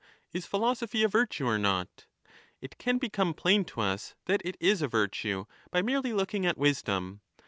Is philosophy a virtue or not ? It can become plain to us that it is a virtue by merely looking at wisdom.